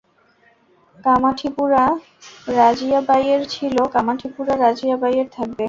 কামাঠিপুরা রাজিয়াবাইয়ের ছিলো, কামাঠিপুরা রাজিয়াবাইয়ের থাকবে।